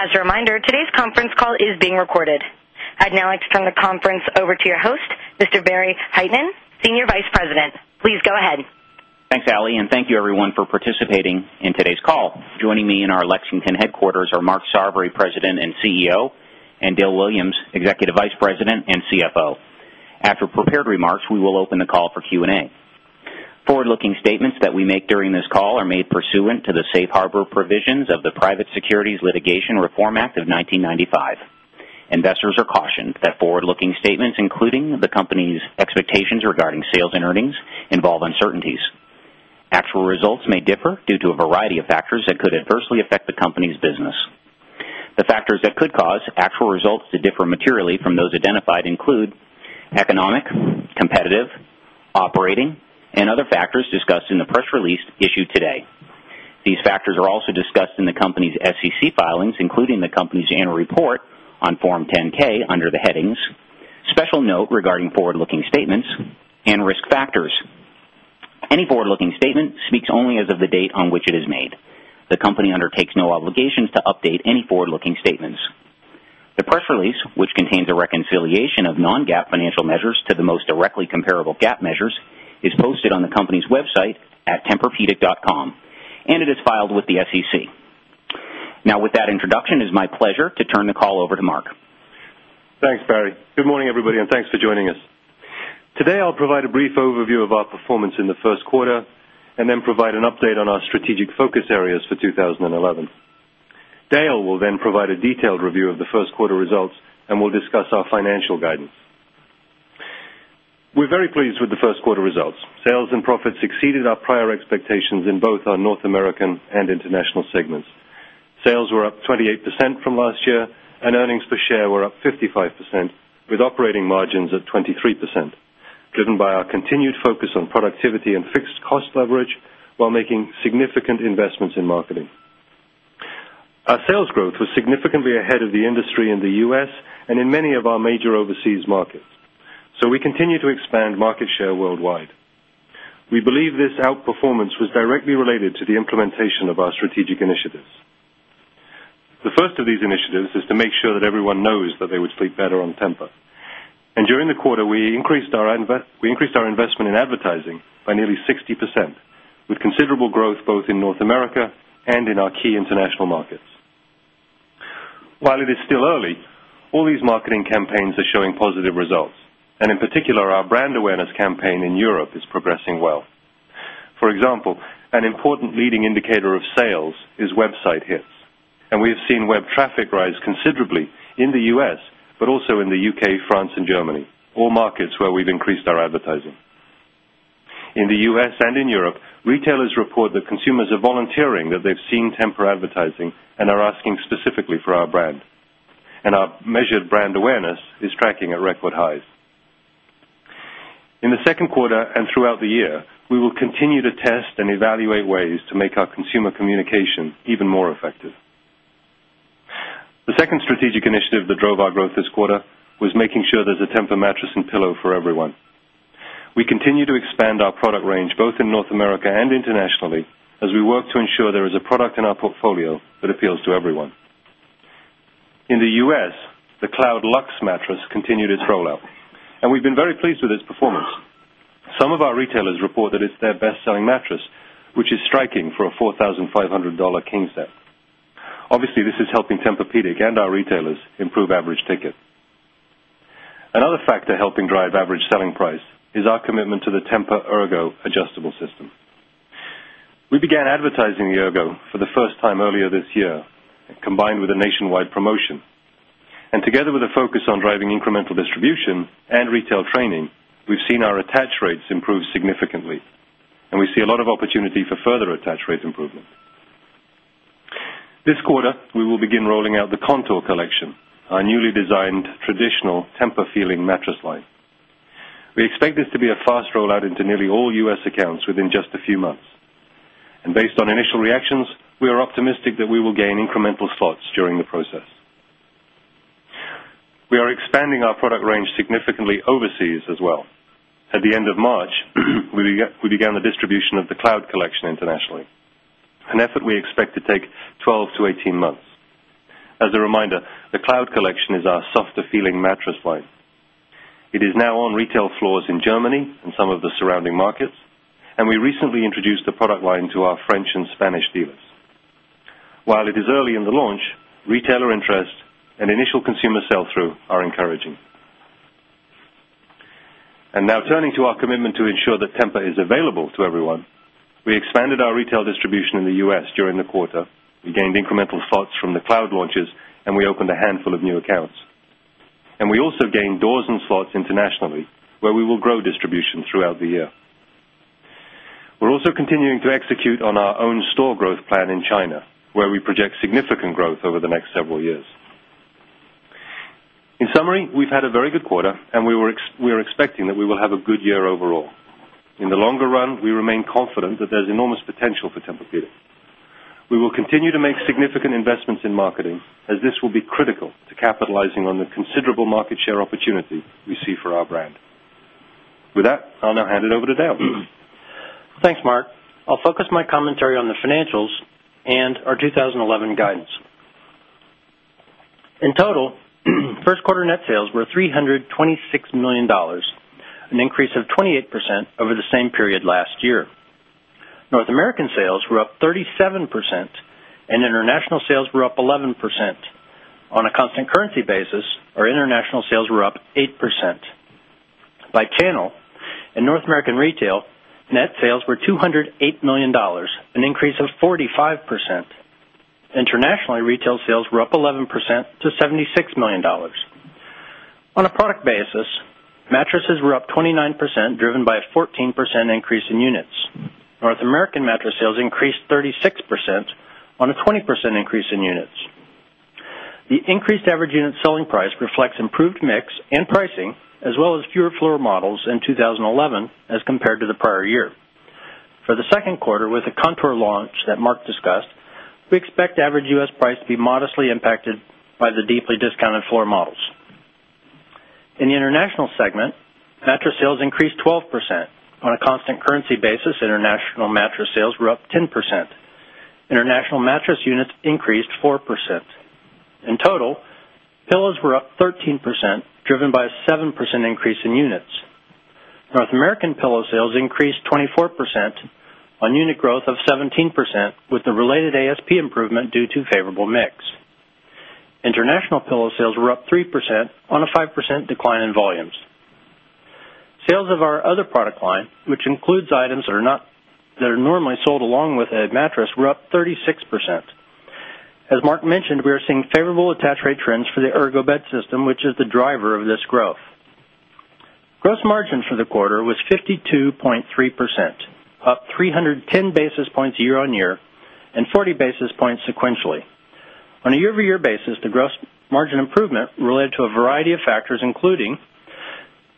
As a reminder, today's Conference call is being recorded. I'd now like to turn the conference over to your host, Mr. Barry Heitman, Senior Vice President. Please go ahead. Thanks, Allie, and thank you, everyone, for participating in today's call. Joining me in our Lexington headquarters are Mark Sarvary, President and CEO, and Dale Williams, Executive Vice President and CFO. After prepared remarks, we will open the call for Q&A. Forward-looking statements that we make during this call are made pursuant to the Safe Harbor provisions of the Private Securities Litigation Reform Act of 1995. Investors are cautioned that forward-looking statements, including the company's expectations regarding sales and earnings, involve uncertainties. Actual results may differ due to a variety of factors that could adversely affect the company's business. The factors that could cause actual results to differ materially from those identified include economic, competitive, operating, and other factors discussed in the press release issued today. These factors are also discussed in the company's SEC filings, including the company's annual report on Form 10-K under the headings: Special Note Regarding Forward-Looking Statements and Risk Factors. Any forward-looking statement speaks only as of the date on which it is made. The company undertakes no obligations to update any forward-looking statements. The press release, which contains a reconciliation of non-GAAP financial measures to the most directly comparable GAAP measures, is posted on the company's website at somnigroup.com, and it is filed with the SEC. Now, with that introduction, it is my pleasure to turn the call over to Mark. Thanks, Barry. Good morning, everybody, and thanks for joining us. Today, I'll provide a brief overview of our performance in the first quarter and then provide an update on our strategic focus areas for 2011. Dale will then provide a detailed review of the first quarter results and will discuss our financial guidance. We're very pleased with the first quarter results. Sales and profits exceeded our prior expectations in both our North American and international segments. Sales were up 28% from last year, and earnings per share were up 55%, with operating margins at 23%, driven by our continued focus on productivity and fixed cost leverage while making significant investments in marketing. Our sales growth was significantly ahead of the industry in the U.S. and in many of our major overseas markets. We continue to expand market share worldwide. We believe this outperformance was directly related to the implementation of our strategic initiatives. The first of these initiatives is to make sure that everyone knows that they would sleep better on Tempur-Pedic. During the quarter, we increased our investment in advertising by nearly 60%, with considerable growth both in North America and in our key international markets. While it is still early, all these marketing campaigns are showing positive results, and in particular, our brand awareness campaign in Europe is progressing well. For example, an important leading indicator of sales is website hits, and we have seen web traffic rise considerably in the U.S., but also in the UK, France, and Germany, all markets where we've increased our advertising. In the U.S. and in Europe, retailers report that consumers are volunteering that they've seen Tempur-Pedic advertising and are asking specifically for our brand, and our measured brand awareness is tracking at record highs. In the second quarter and throughout the year, we will continue to test and evaluate ways to make our consumer communication even more effective. The second strategic initiative that drove our growth this quarter was making sure there's a Tempur-Pedic mattress and pillow for everyone. We continue to expand our product range both in North America and internationally as we work to ensure there is a product in our portfolio that appeals to everyone. In the U.S., the TEMPUR Cloud Luxe mattress continued its rollout, and we've been very pleased with its performance. Some of our retailers report that it's their best-selling mattress, which is striking for a $4,500 King set. Obviously, this is helping Tempur-Pedic and our retailers improve average ticket. Another factor helping drive average selling price is our commitment to the TEMPUR-Ergo adjustable system. We began advertising the TEMPUR-Ergo for the first time earlier this year, combined with a nationwide promotion. Together with a focus on driving incremental distribution and retail training, we've seen our attach rates improve significantly, and we see a lot of opportunity for further attach rate improvement. This quarter, we will begin rolling out the TEMPUR-Contour collection, our newly designed, traditional, TEMPUR-Feeling mattress line. We expect this to be a fast rollout into nearly all U.S. accounts within just a few months. Based on initial reactions, we are optimistic that we will gain incremental slots during the process. We are expanding our product range significantly overseas as well. At the end of March, we began the distribution of the TEMPUR Cloud collection internationally, an effort we expect to take 12-18 months. As a reminder, the TEMPUR Cloud collection is our softer-feeling mattress line. It is now on retail floors in Germany and some of the surrounding markets, and we recently introduced the product line to our French and Spanish dealers. While it is early in the launch, retailer interest and initial consumer sell-through are encouraging. Now, turning to our commitment to ensure that TEMPUR is available to everyone, we expanded our retail distribution in the U.S. during the quarter. We gained incremental slots from the TEMPUR Cloud launches, and we opened a handful of new accounts. We also gained doors and slots internationally, where we will grow distribution throughout the year. We're also continuing to execute on our own store growth plan in China, where we project significant growth over the next several years. In summary, we've had a very good quarter, and we are expecting that we will have a good year overall. In the longer run, we remain confident that there's enormous potential for Tempur-Pedic. We will continue to make significant investments in marketing, as this will be critical to capitalizing on the considerable market share opportunity we see for our brand. With that, I'll now hand it over to Dale. Thank you, Mark. I'll focus my commentary on the financials and our 2011 guidance. In total, first quarter net sales were $326 million, an increase of 28% over the same period last year. North American sales were up 37%, and international sales were up 11%. On a constant currency basis, our international sales were up 8%. By channel, in North American retail, net sales were $208 million, an increase of 45%. Internationally, retail sales were up 11% to $76 million. On a product basis, mattresses were up 29%, driven by a 14% increase in units. North American mattress sales increased 36% on a 20% increase in units. The increased average unit selling price reflects improved mix and pricing, as well as fewer floor models in 2011 as compared to the prior year. For the second quarter, with the Contour launch that Mark discussed, we expect average U.S. price to be modestly impacted by the deeply discounted floor models. In the international segment, mattress sales increased 12%. On a constant currency basis, international mattress sales were up 10%. International mattress units increased 4%. In total, pillows were up 13%, driven by a 7% increase in units. North American pillow sales increased 24% on unit growth of 17%, with the related ASP improvement due to favorable mix. International pillow sales were up 3% on a 5% decline in volumes. Sales of our other product line, which includes items that are normally sold along with a mattress, were up 36%. As Mark mentioned, we are seeing favorable attach rate trends for the TEMPUR-Ergo bed system, which is the driver of this growth. Gross margin for the quarter was 52.3%, up 310 basis points year on year and 40 basis points sequentially. On a year-over-year basis, the gross margin improvement related to a variety of factors, including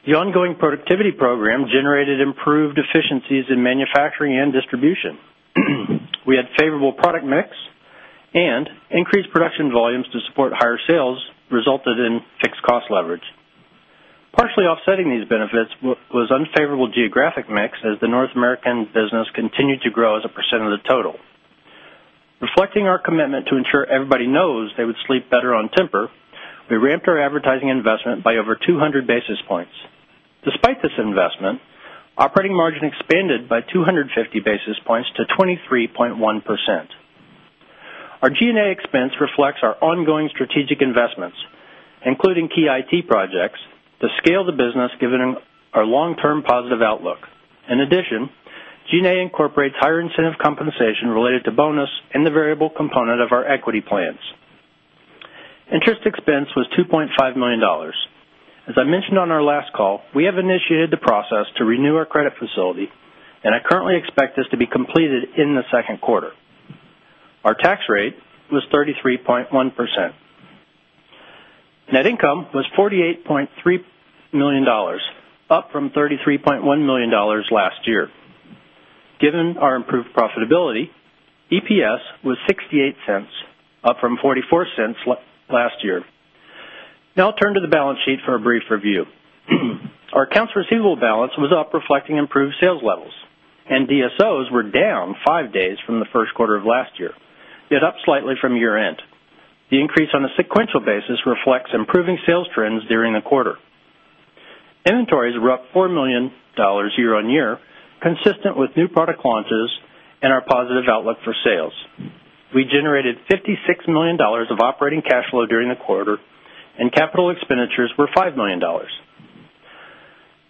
the ongoing productivity program generated improved efficiencies in manufacturing and distribution. We had favorable product mix and increased production volumes to support higher sales, resulting in fixed cost leverage. Partially offsetting these benefits was unfavorable geographic mix, as the North American business continued to grow as a percent of the total. Reflecting our commitment to ensure everybody knows they would sleep better on Tempur-Pedic, we ramped our advertising investment by over 200 basis points. Despite this investment, operating margin expanded by 250 basis points to 23.1%. Our G&A expense reflects our ongoing strategic investments, including key IT projects, to scale the business, given our long-term positive outlook. In addition, G&A incorporates higher incentive compensation related to bonus and the variable component of our equity plans. Interest expense was $2.5 million. As I mentioned on our last call, we have initiated the process to renew our credit facility, and I currently expect this to be completed in the second quarter. Our tax rate was 33.1%. Net income was $48.3 million, up from $33.1 million last year. Given our improved profitability, EPS was $0.68, up from $0.44 last year. Now, I'll turn to the balance sheet for a brief review. Our accounts receivable balance was up, reflecting improved sales levels, and DSOs were down five days from the first quarter of last year, yet up slightly from year-end. The increase on a sequential basis reflects improving sales trends during the quarter. Inventories were up $4 million year on year, consistent with new product launches and our positive outlook for sales. We generated $56 million of operating cash flow during the quarter, and capital expenditures were $5 million.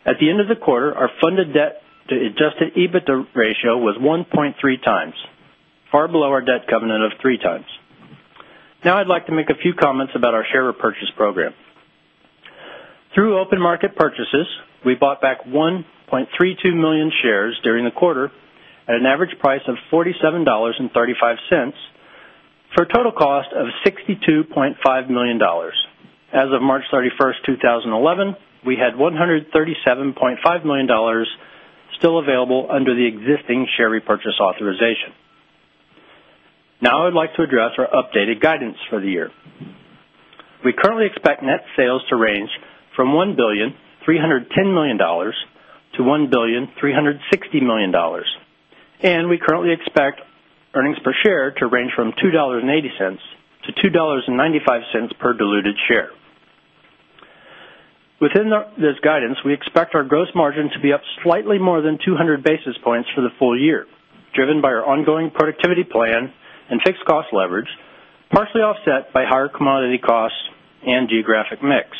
At the end of the quarter, our funded debt-to-adjusted EBITDA ratio was 1.3x, far below our debt covenant of 3x. Now, I'd like to make a few comments about our share repurchase program. Through open market purchases, we bought back 1.32 million shares during the quarter at an average price of $47.35 for a total cost of $62.5 million. As of March 31, 2011, we had $137.5 million still available under the existing share repurchase authorization. Now, I would like to address our updated guidance for the year. We currently expect net sales to range from $1,310,000,000-$1,360,000,000 and we currently expect earnings per share to range from $2.80-$2.95 per diluted share. Within this guidance, we expect our gross margin to be up slightly more than 200 basis points for the full year, driven by our ongoing productivity plan and fixed cost leverage, partially offset by higher commodity costs and geographic mix.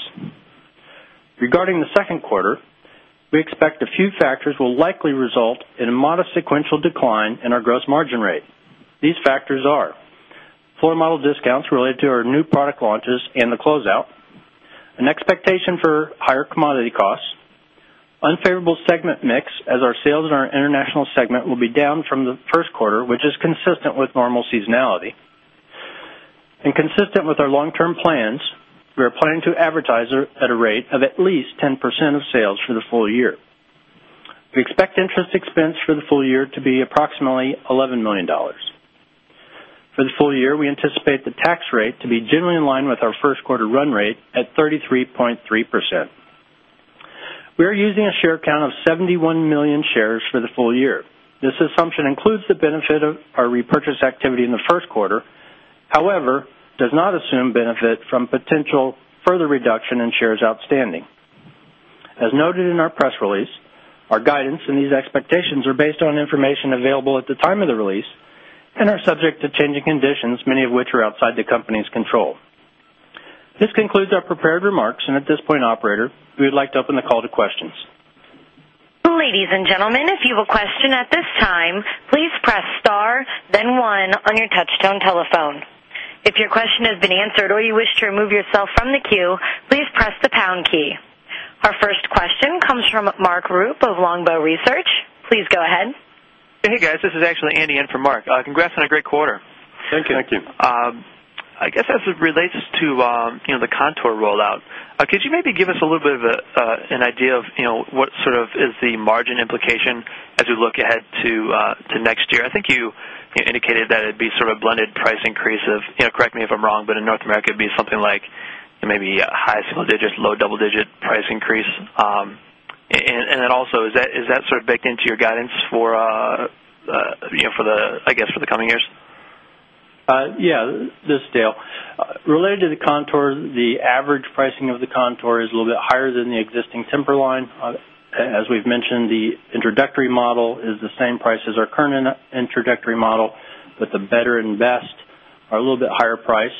Regarding the second quarter, we expect a few factors will likely result in a modest sequential decline in our gross margin rate. These factors are floor model discounts related to our new product launches and the closeout, an expectation for higher commodity costs, unfavorable segment mix, as our sales in our international segment will be down from the first quarter, which is consistent with normal seasonality and consistent with our long-term plans. We are planning to advertise at a rate of at least 10% of sales for the full year. We expect interest expense for the full year to be approximately $11 million. For the full year, we anticipate the tax rate to be generally in line with our first quarter run rate at 33.3%. We are using a share count of 71 million shares for the full year. This assumption includes the benefit of our repurchase activity in the first quarter, however, it does not assume benefit from potential further reduction in shares outstanding. As noted in our press release, our guidance and these expectations are based on information available at the time of the release and are subject to changing conditions, many of which are outside the company's control. This concludes our prepared remarks, and at this point, operator, we would like to open the call to questions. Ladies and gentlemen, if you have a question at this time, please press star, then one, on your touch-tone telephone. If your question has been answered or you wish to remove yourself from the queue, please press the pound key. Our first question comes from Mark Roop of Longbow Research. Please go ahead. Hey, guys. This is actually Andy on for Mark. Congrats on a great quarter. Thank you. Thank you. I guess as it relates to the TEMPUR-Contour rollout, could you maybe give us a little bit of an idea of what sort of is the margin implication as we look ahead to next year? I think you indicated that it'd be sort of a blended price increase of, correct me if I'm wrong, but in North America, it'd be something like maybe a high single-digit, low double-digit price increase. Also, is that sort of baked into your guidance for the, I guess, for the coming years? Yeah. This is Dale. Related to the TEMPUR-Contour, the average pricing of the TEMPUR-Contour is a little bit higher than the existing Tempur-Pedic line. As we've mentioned, the introductory model is the same price as our current introductory model, but the better and best are a little bit higher priced.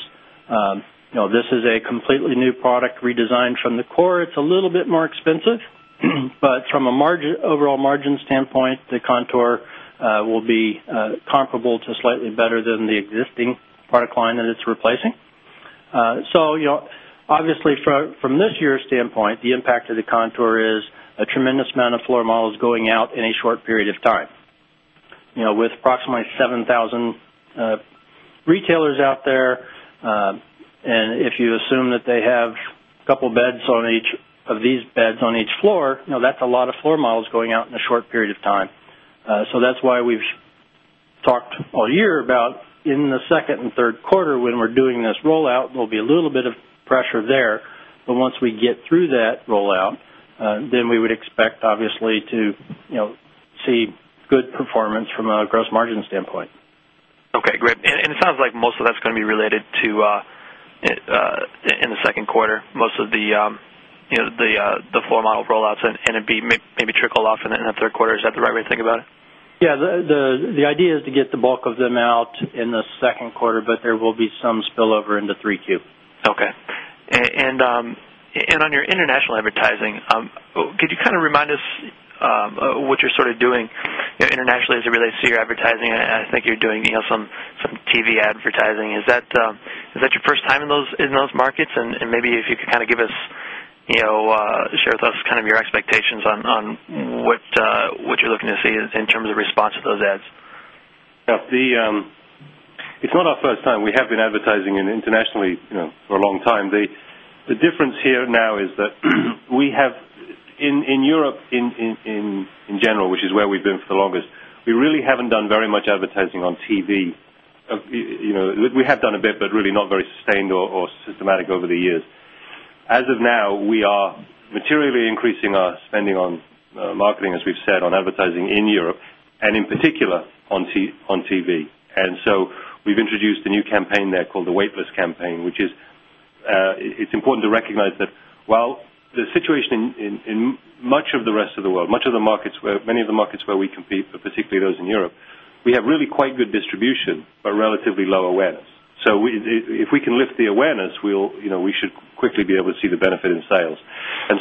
This is a completely new product redesigned from the core. It's a little bit more expensive, but from an overall margin standpoint, the TEMPUR-Contour will be comparable to slightly better than the existing product line that it's replacing. Obviously, from this year's standpoint, the impact of the TEMPUR-Contour is a tremendous amount of floor models going out in a short period of time. With approximately 7,000 retailers out there, and if you assume that they have a couple of beds on each of these beds on each floor, that's a lot of floor models going out in a short period of time. That's why we've talked all year about in the second and third quarter, when we're doing this rollout, there'll be a little bit of pressure there. Once we get through that rollout, then we would expect, obviously, to see good performance from a gross margin standpoint. Okay. Great. It sounds like most of that's going to be related to in the second quarter, most of the floor model rollouts, and it'd maybe trickle off in the third quarter. Is that the right way to think about it? Yeah. The idea is to get the bulk of them out in the second quarter, but there will be some spillover into Q3. Okay. On your international advertising, could you kind of remind us what you're sort of doing internationally as it relates to your advertising? I think you're doing some TV advertising. Is that your first time in those markets? Maybe if you could kind of give us, share with us kind of your expectations on what you're looking to see in terms of response to those ads. Yeah. It's not our first time. We have been advertising internationally for a long time. The difference here now is that we have, in Europe in general, which is where we've been for the longest, we really haven't done very much advertising on TV. We have done a bit, but really not very sustained or systematic over the years. As of now, we are materially increasing our spending on marketing, as we've said, on advertising in Europe, and in particular on TV. We have introduced a new campaign there called the Weightless campaign, which is important to recognize that while the situation in much of the rest of the world, much of the markets, many of the markets where we compete, but particularly those in Europe, we have really quite good distribution but relatively low awareness. If we can lift the awareness, we should quickly be able to see the benefit in sales.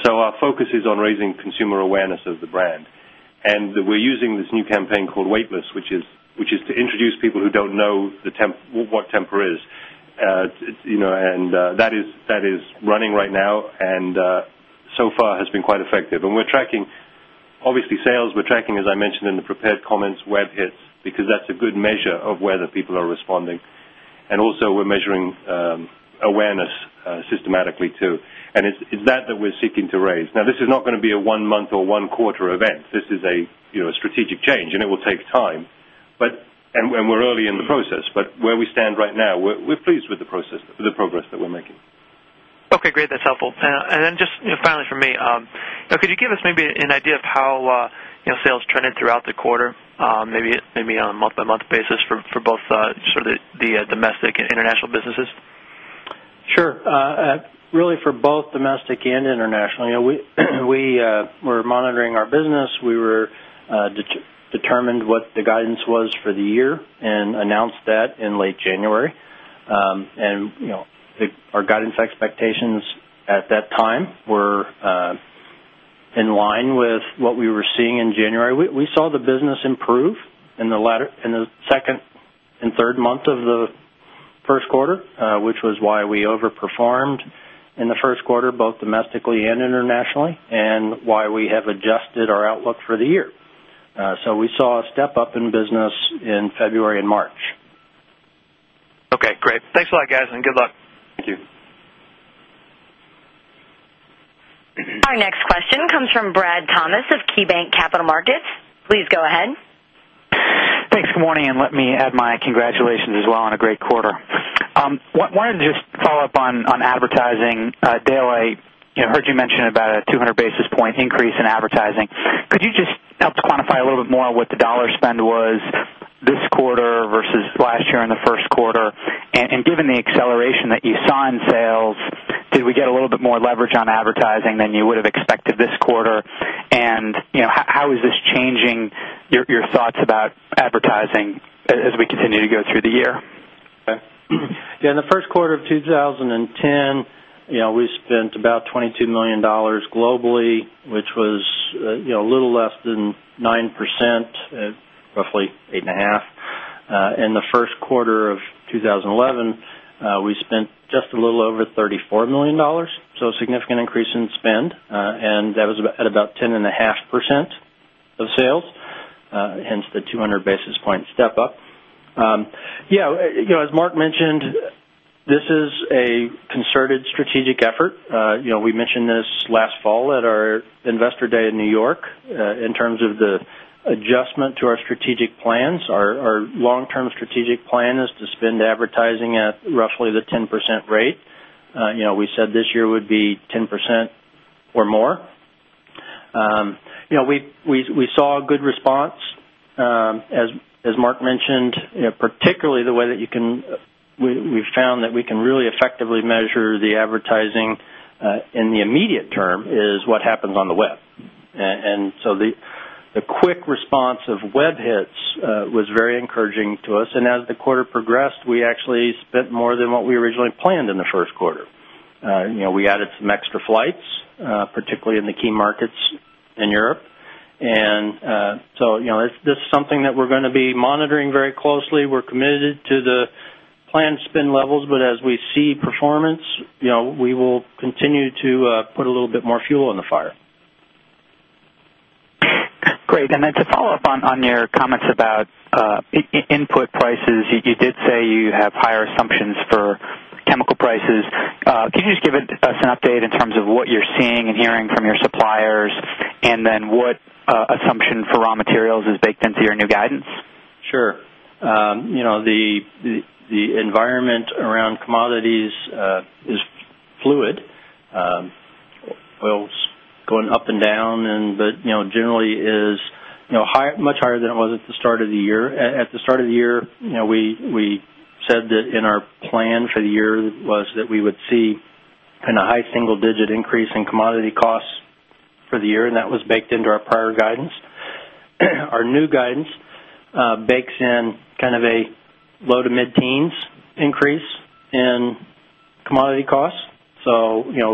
Our focus is on raising consumer awareness of the brand. We're using this new campaign called Weightless, which is to introduce people who don't know what Tempur-Pedic is. That is running right now and so far has been quite effective. We're tracking, obviously, sales. We're tracking, as I mentioned in the prepared comments, web hits because that's a good measure of whether people are responding. Also, we're measuring awareness systematically, too. It's that that we're seeking to raise. This is not going to be a one-month or one-quarter event. This is a strategic change, and it will take time, and we're early in the process. Where we stand right now, we're pleased with the progress that we're making. Okay. Great. That's helpful. Finally, for me, could you give us maybe an idea of how sales trended throughout the quarter, maybe on a month-by-month basis for both the domestic and international businesses? Sure. Really, for both domestic and international, we were monitoring our business. We determined what the guidance was for the year and announced that in late January. Our guidance expectations at that time were in line with what we were seeing in January. We saw the business improve in the second and third month of the first quarter, which was why we overperformed in the first quarter, both domestically and internationally, and why we have adjusted our outlook for the year. We saw a step up in business in February and March. Okay. Great. Thanks a lot, guys, and good luck. Thank you. Our next question comes from Brad Thomas of KeyBanc Capital Markets. Please go ahead. Thanks. Good morning. Let me add my congratulations as well on a great quarter. I wanted to just follow up on advertising. Dale, I heard you mention about a 200 basis point increase in advertising. Could you help quantify a little bit more what the dollar spend was this quarter versus last year in the first quarter? Given the acceleration that you saw in sales, did we get a little bit more leverage on advertising than you would have expected this quarter? How is this changing your thoughts about advertising as we continue to go through the year? Yeah. In the first quarter of 2010, you know we spent about $22 million globally, which was a little less than 9%, roughly 8.5%. In the first quarter of 2011, we spent just a little over $34 million, so a significant increase in spend. That was at about 10.5% of sales, hence the 200 basis point step up. As Mark mentioned, this is a concerted strategic effort. We mentioned this last fall at our Investor Day in New York in terms of the adjustment to our strategic plans. Our long-term strategic plan is to spend advertising at roughly the 10% rate. We said this year would be 10% or more. We saw a good response. As Mark mentioned, particularly the way that we found that we can really effectively measure the advertising in the immediate term is what happens on the web. The quick response of web hits was very encouraging to us. As the quarter progressed, we actually spent more than what we originally planned in the first quarter. We added some extra flights, particularly in the key markets in Europe. This is something that we're going to be monitoring very closely. We're committed to the planned spend levels, but as we see performance, we will continue to put a little bit more fuel in the fire. Great. To follow up on your comments about input prices, you did say you have higher assumptions for chemical prices. Could you give us an update in terms of what you're seeing and hearing from your suppliers, and what assumption for raw materials is baked into your new guidance? Sure. You know the environment around commodities is fluid, going up and down, but generally is much higher than it was at the start of the year. At the start of the year, we said that in our plan for the year was that we would see a high single-digit increase in commodity costs for the year, and that was baked into our prior guidance. Our new guidance bakes in kind of a low to mid-teens increase in commodity costs.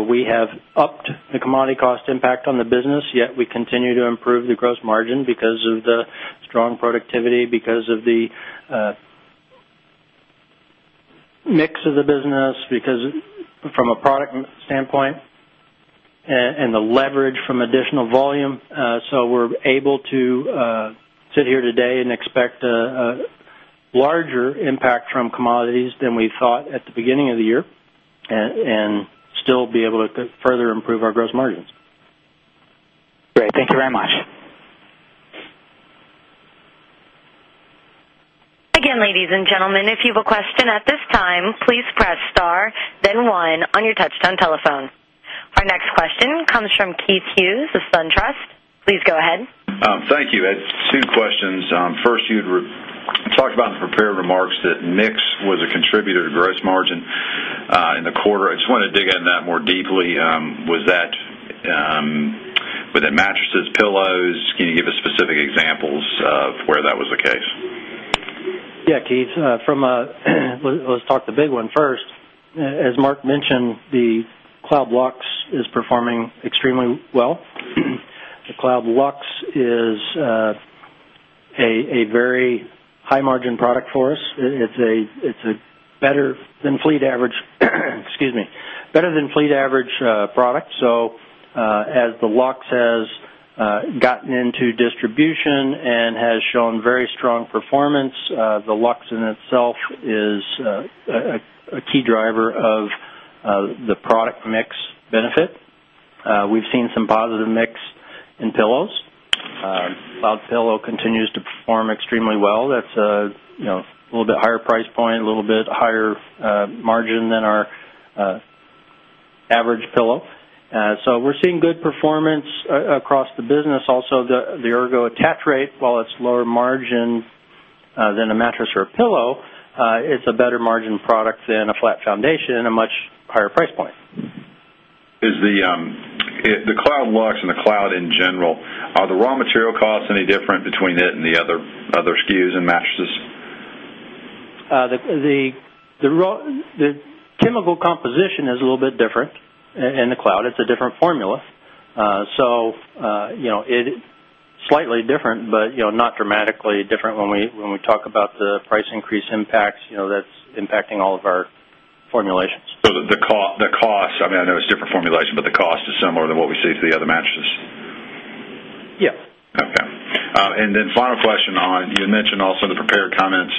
We have upped the commodity cost impact on the business, yet we continue to improve the gross margin because of the strong productivity, because of the mix of the business, because from a product standpoint and the leverage from additional volume. We are able to sit here today and expect a larger impact from commodities than we thought at the beginning of the year and still be able to further improve our gross margins. Great. Thank you very much. Again, ladies and gentlemen, if you have a question at this time, please press star, then one on your touch-tone telephone. Our next question comes from Keith Hughes of SunTrust. Please go ahead. Thank you. I have two questions. First, you had talked about in the prepared remarks that mix was a contributor to gross margin in the quarter. I just want to dig in that more deeply. Was that with the mattresses, pillows? Can you give us specific examples of where that was the case? Yeah, Keith. Let's talk the big one first. As Mark mentioned, the TEMPUR Cloud Luxe is performing extremely well. The TEMPUR Cloud Luxe is a very high-margin product for us. It's a better-than-fleet average, excuse me, better-than-fleet average product. As the TEMPUR Cloud Luxe has gotten into distribution and has shown very strong performance, the TEMPUR Cloud Luxe in itself is a key driver of the product mix benefit. We've seen some positive mix in pillows. TEMPUR Cloud pillow continues to perform extremely well. That's a little bit higher price point, a little bit higher margin than our average pillow. We're seeing good performance across the business. Also, the TEMPUR-Ergo attach rate, while it's lower margin than a mattress or a pillow, it's a better-margin product than a flat foundation at a much higher price point. Is the TEMPUR Cloud Luxe and the TEMPUR Cloud in general, are the raw material costs any different between it and the other SKUs and mattresses? The chemical composition is a little bit different in the TEMPUR Cloud. It's a different formula, so it's slightly different, but not dramatically different when we talk about the price increase impacts that's impacting all of our formulations. I mean, I know it's a different formulation, but the cost is similar to what we see for the other mattresses? Yeah. Okay. Final question on, you had mentioned also in the prepared comments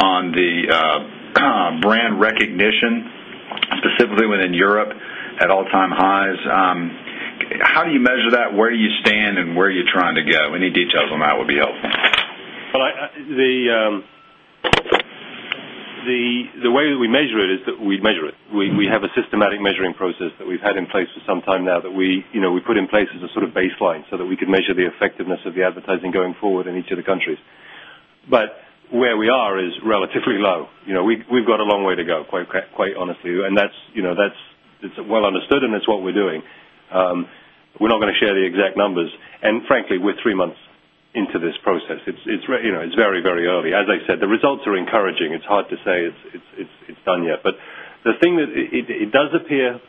on the brand recognition, specifically within Europe, at all-time highs. How do you measure that? Where do you stand and where are you trying to go? Any details on that would be helpful. The way that we measure it is that we measure it. We have a systematic measuring process that we've had in place for some time now that we put in place as a sort of baseline so that we could measure the effectiveness of the advertising going forward in each of the countries. Where we are is relatively low. We've got a long way to go, quite honestly. That's well understood, and it's what we're doing. We're not going to share the exact numbers. Frankly, we're three months into this process. It's very, very early. As I said, the results are encouraging. It's hard to say it's done yet. The thing that it does appear,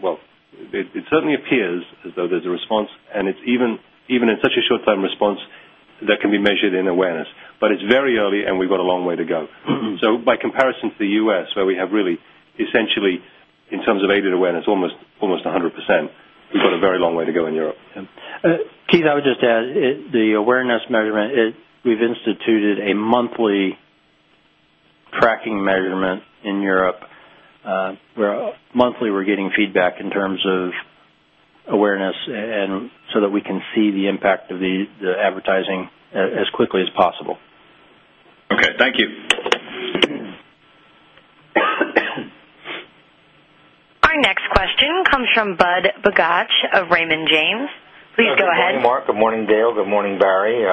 it certainly appears as though there's a response, and it's even in such a short-term response that can be measured in awareness. It's very early, and we've got a long way to go. By comparison to the U.S., where we have really essentially, in terms of aided awareness, almost 100%, we've got a very long way to go in Europe. Keith, I would just add the awareness measurement. We've instituted a monthly tracking measurement in Europe, where monthly we're getting feedback in terms of awareness so that we can see the impact of the advertising as quickly as possible. Okay, thank you. Our next question comes from Budd Bugatch of Raymond James. Please go ahead. Good morning, Mark. Good morning, Dale. Good morning, Barry.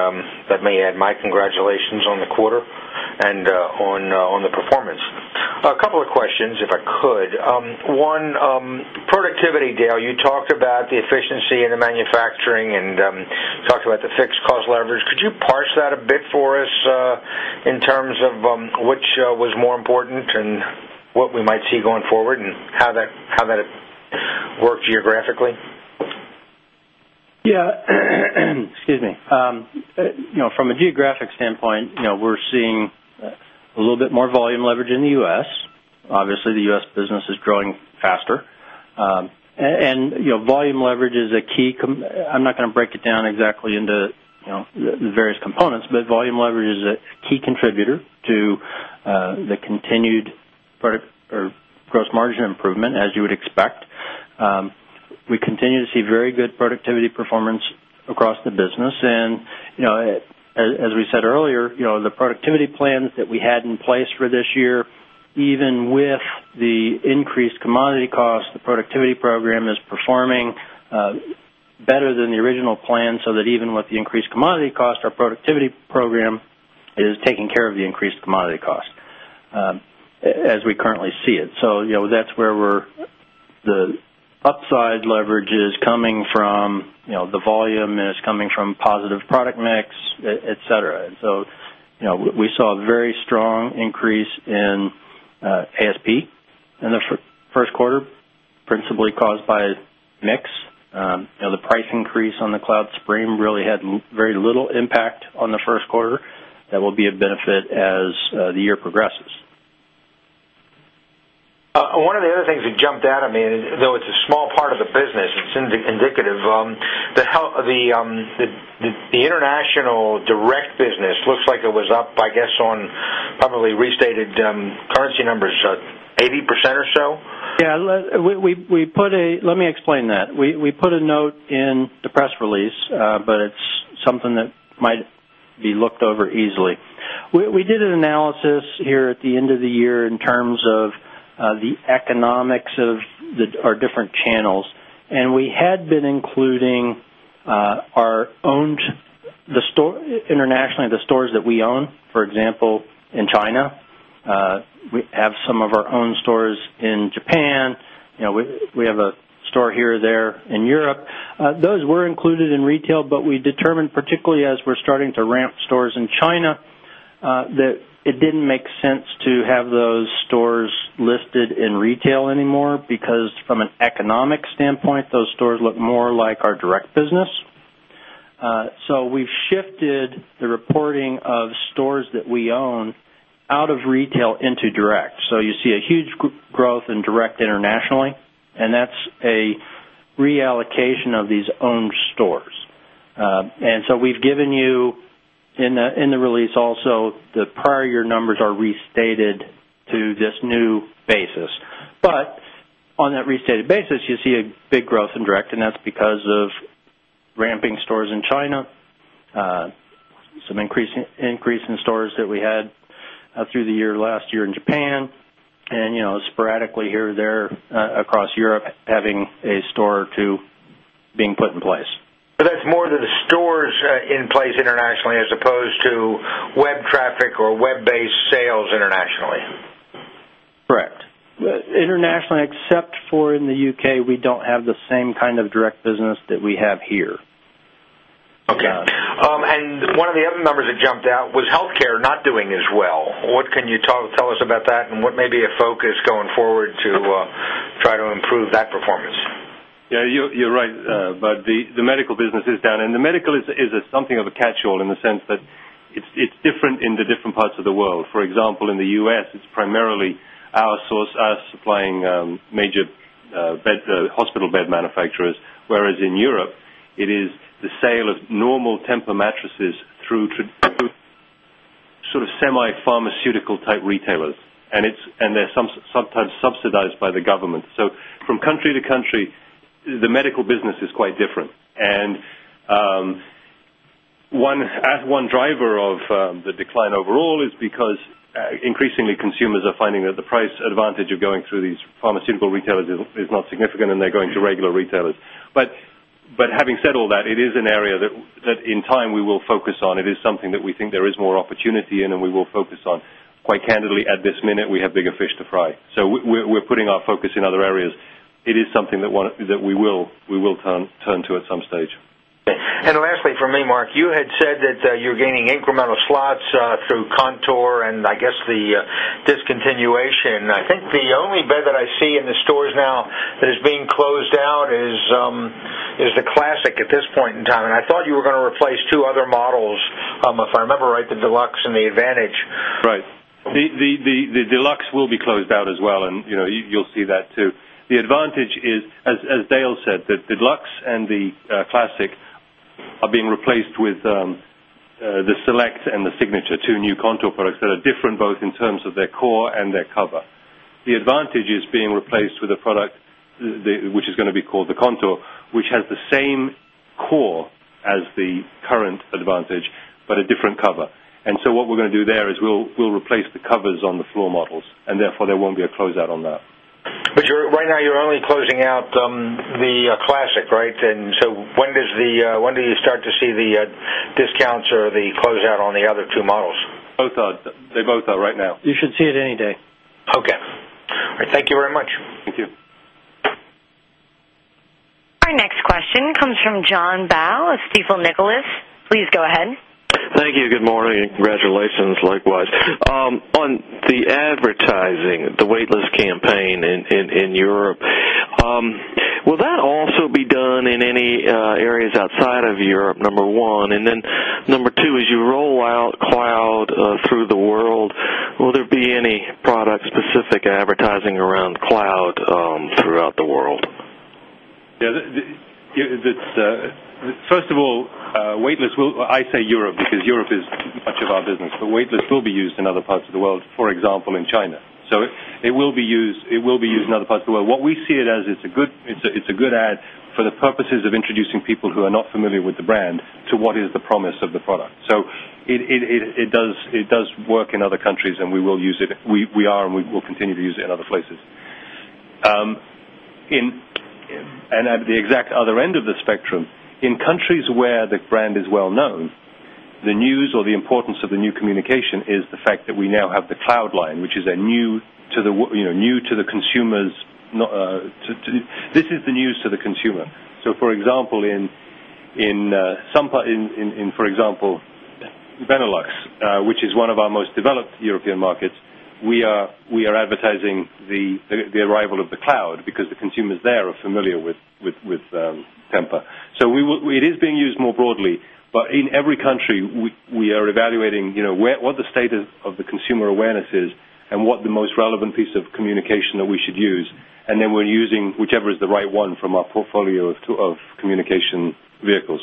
Let me add my congratulations on the quarter and on the performance. A couple of questions, if I could. One, productivity, Dale, you talked about the efficiency in the manufacturing and talked about the fixed cost leverage. Could you parse that a bit for us in terms of which was more important and what we might see going forward and how that worked geographically? Excuse me. From a geographic standpoint, you know we're seeing a little bit more volume leverage in the U.S. Obviously, the U.S. business is growing faster, and you know volume leverage is a key. I'm not going to break it down exactly into the various components, but volume leverage is a key contributor to the continued product or gross margin improvement, as you would expect. We continue to see very good productivity performance across the business. As we said earlier, you know the productivity plans that we had in place for this year, even with the increased commodity costs, the productivity program is performing better than the original plan so that even with the increased commodity cost, our productivity program is taking care of the increased commodity cost as we currently see it. That's where the upside leverage is coming from. The volume is coming from positive product mix, etc. We saw a very strong increase in ASP in the first quarter, principally caused by mix. The price increase on the TEMPUR Cloud collection really had very little impact on the first quarter. That will be a benefit as the year progresses. One of the other things that jumped out at me, and though it's a small part of the business, it's indicative, the international direct business looks like it was up, I guess, on probably restated currency numbers, 80% or so? Yeah. Let me explain that. We put a note in the press release, but it's something that might be looked over easily. We did an analysis here at the end of the year in terms of the economics of our different channels. We had been including our owned store internationally, the stores that we own, for example, in China. We have some of our own stores in Japan. You know we have a store here or there in Europe. Those were included in retail, but we determined, particularly as we're starting to ramp stores in China, that it didn't make sense to have those stores listed in retail anymore because from an economic standpoint, those stores look more like our direct business. We've shifted the reporting of stores that we own out of retail into direct. You see a huge growth in direct internationally, and that's a reallocation of these owned stores. We've given you in the release also the prior year numbers are restated to this new basis. On that restated basis, you see a big growth in direct, and that's because of ramping stores in China, some increase in stores that we had through the year last year in Japan, and sporadically here or there across Europe having a store or two being put in place. That is more to the stores in place internationally as opposed to web traffic or web-based sales internationally. Correct. Internationally, except for in the U.K., we don't have the same kind of direct business that we have here. Okay. One of the other numbers that jumped out was healthcare not doing as well. What can you tell us about that, and what may be a focus going forward to try to improve that performance? Yeah. You're right, Budd. The medical business is down. The medical is something of a catch-all in the sense that it's different in the different parts of the world. For example, in the U.S., it's primarily our source, us supplying major hospital bed manufacturers, whereas in Europe, it is the sale of normal Tempur-Pedic mattresses through sort of semi-pharmaceutical-type retailers. They're sometimes subsidized by the government. From country to country, the medical business is quite different. One driver of the decline overall is because increasingly consumers are finding that the price advantage of going through these pharmaceutical retailers is not significant, and they're going to regular retailers. Having said all that, it is an area that in time we will focus on. It is something that we think there is more opportunity in, and we will focus on. Quite candidly, at this minute, we have bigger fish to fry. We're putting our focus in other areas. It is something that we will turn to at some stage. Lastly, for me, Mark, you had said that you're gaining incremental slots through TEMPUR Contour and I guess the discontinuation. I think the only bed that I see in the stores now that is being closed out is the Classic at this point in time. I thought you were going to replace two other models, if I remember right, the Deluxe and the Advantage. Right. The Deluxe will be closed out as well, and you'll see that, too. The Advantage is, as Dale said, that the Luxe and the Classic are being replaced with the Select and the Signature, two new TEMPUR Contour products that are different both in terms of their core and their cover. The Advantage is being replaced with a product which is going to be called the TEMPUR Contour, which has the same core as the current Advantage, but a different cover. What we're going to do there is we'll replace the covers on the floor models, and therefore, there won't be a closeout on that. Right now, you're only closing out the Classic, right? When do you start to see the discounts or the closeout on the other two models? They both are right now. You should see it any day. Okay. All right. Thank you very much. Thank you. Our next question comes from John Bao of Stifel Nicolaus. Please go ahead. Thank you. Good morning, and congratulations likewise. On the advertising, the Weightless campaign in Europe, will that also be done in any areas outside of Europe, number one? Number two, as you roll out Cloud through the world, will there be any product-specific advertising around Cloud throughout the world? Yeah. First of all, Weightless will, I say Europe because Europe is much of our business, but Weightless will be used in other parts of the world, for example, in China. It will be used in other parts of the world. What we see it as, it's a good ad for the purposes of introducing people who are not familiar with the brand to what is the promise of the product. It does work in other countries, and we will use it. We are, and we will continue to use it in other places. At the exact other end of the spectrum, in countries where the brand is well known, the news or the importance of the new communication is the fact that we now have the Cloud line, which is new to the consumers. This is the news to the consumer. For example, in Benelux, which is one of our most developed European markets, we are advertising the arrival of the Cloud because the consumers there are familiar with Tempur-Pedic. It is being used more broadly. In every country, we are evaluating what the state of the consumer awareness is and what the most relevant piece of communication that we should use. We're using whichever is the right one from our portfolio of communication vehicles.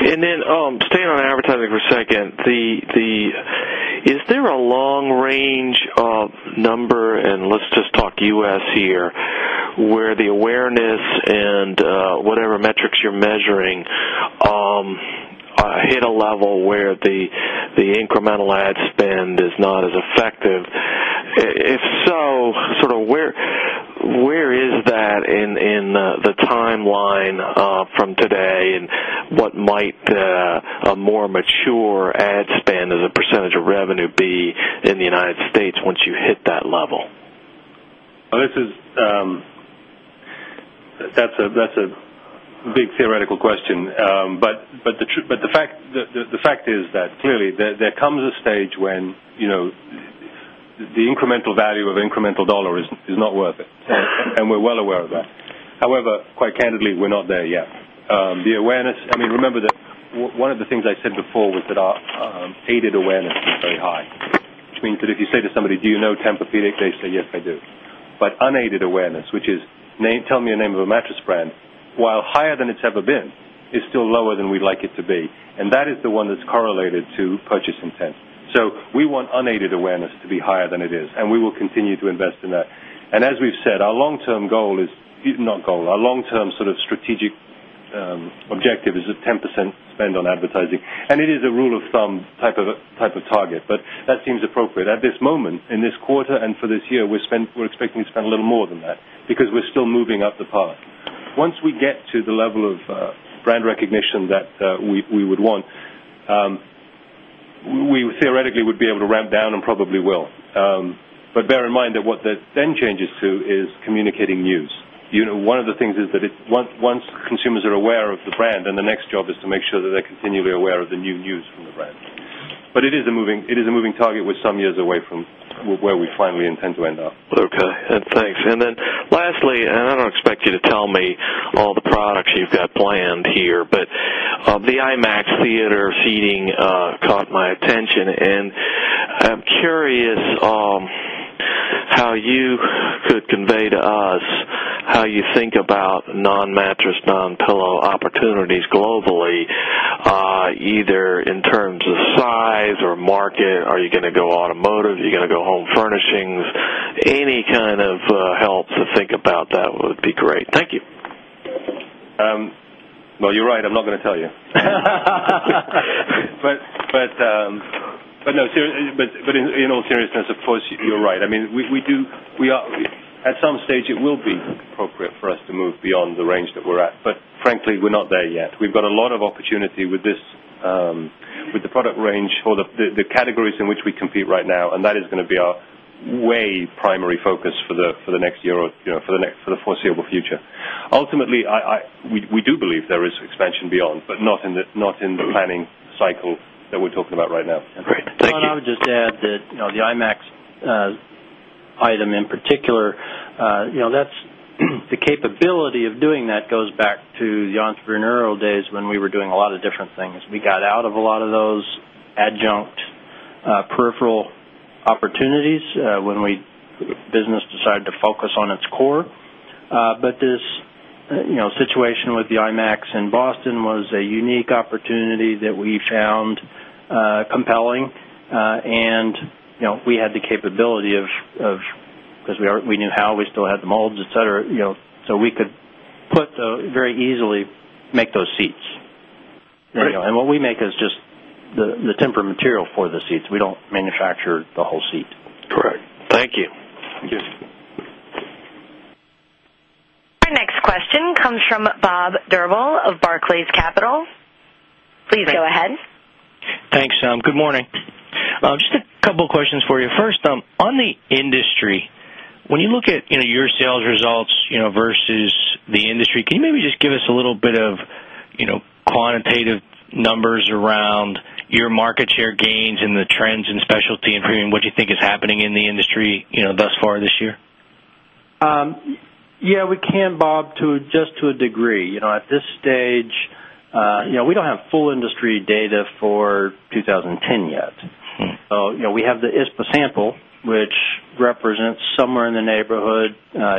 Staying on advertising for a second, is there a long-range number, and let's just talk U.S. here, where the awareness and whatever metrics you're measuring hit a level where the incremental ad spend is not as effective? If so, sort of where is that in the timeline from today? What might a more mature ad spend as a % of revenue be in the United States once you hit that level? That's a big theoretical question. The fact is that clearly there comes a stage when the incremental value of an incremental dollar is not worth it, and we're well aware of that. However, quite candidly, we're not there yet. Remember that one of the things I said before was that our aided awareness is very high. If you say to somebody, "Do you know Tempur-Pedic?" they say, "Yes, I do." Unaided awareness, which is, "Tell me the name of a mattress brand," while higher than it's ever been, is still lower than we'd like it to be. That is the one that's correlated to purchase intent. We want unaided awareness to be higher than it is, and we will continue to invest in that. As we've said, our long-term sort of strategic objective is a 10% spend on advertising. It is a rule of thumb type of target, but that seems appropriate. At this moment, in this quarter and for this year, we're expecting to spend a little more than that because we're still moving up the path. Once we get to the level of brand recognition that we would want, we theoretically would be able to ramp down and probably will. Bear in mind that what that then changes to is communicating news. One of the things is that once consumers are aware of the brand, the next job is to make sure that they're continually aware of the new news from the brand. It is a moving target. We're some years away from where we finally intend to end up. Okay. Thanks. Lastly, I don't expect you to tell me all the products you've got planned here, but the IMAX theater seating caught my attention. I'm curious how you could convey to us how you think about non-mattress, non-pillow opportunities globally, either in terms of size or market. Are you going to go automotive? Are you going to go home furnishings? Any kind of help to think about that would be great. Thank you. You're right. I'm not going to tell you. In all seriousness, of course, you're right. I mean, we do, we are at some stage, it will be appropriate for us to move beyond the range that we're at. Frankly, we're not there yet. We've got a lot of opportunity with the product range or the categories in which we compete right now, and that is going to be our primary focus for the next year or for the foreseeable future. Ultimately, we do believe there is expansion beyond, but not in the planning cycle that we're talking about right now. I would just add that the IMAX item in particular, you know that's the capability of doing that goes back to the entrepreneurial days when we were doing a lot of different things. We got out of a lot of those adjunct peripheral opportunities when the business decided to focus on its core. This situation with the IMAX in Boston was a unique opportunity that we found compelling. We had the capability because we knew how, we still had the molds, etc. We could very easily make those seats. What we make is just the temporary material for the seats. We don't manufacture the whole seat. Thank you. Thank you. Our next question comes from Bob Drabble of Barclays Capital. Please go ahead. Thanks. Good morning. Just a couple of questions for you. First, on the industry, when you look at your sales results versus the industry, can you maybe just give us a little bit of quantitative numbers around your market share gains and the trends in premium and specialty bedding segments? What do you think is happening in the industry thus far this year? Yeah, we can, Bob, just to a degree. At this stage, we don't have full industry data for 2010 yet. We have the ISPA sample, which represents somewhere in the neighborhood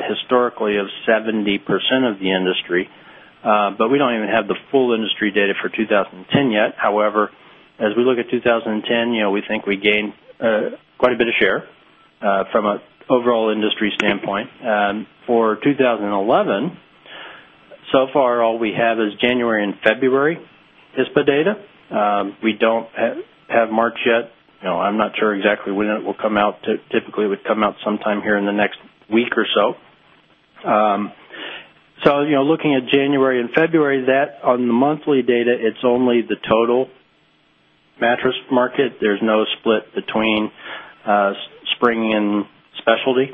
historically of 70% of the industry, but we don't even have the full industry data for 2010 yet. However, as we look at 2010, we think we gained quite a bit of share from an overall industry standpoint. For 2011, so far, all we have is January and February ISPA data. We don't have March yet. I'm not sure exactly when it will come out. Typically, it would come out sometime here in the next week or so. Looking at January and February, on the monthly data, it's only the total mattress market. There's no split between spring and specialty.